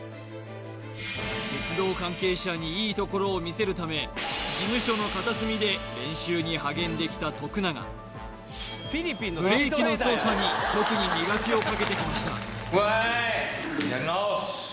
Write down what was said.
鉄道関係者にいいところを見せるために励んできた徳永ブレーキの操作に特に磨きをかけてきました